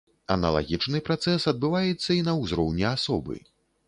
Аналагічны працэс адбываецца і на ўзроўні асобы.